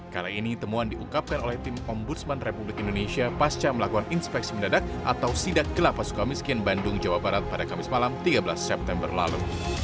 kali ini temuan diungkapkan oleh tim ombudsman republik indonesia pasca melakukan inspeksi mendadak atau sidak ke lapas suka miskin bandung jawa barat pada kamis malam tiga belas september lalu